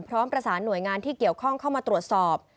พร้อมประสานหน่วยงานที่เกี่ยวข้องเข้ามาตรวจสอบ